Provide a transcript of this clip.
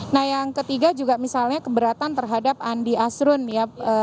nah yang ketiga juga misalnya keberatan terhadap andi asrun ya